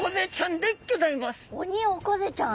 オニオコゼちゃん？